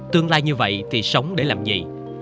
tương lai như vậy thì sống để làm gì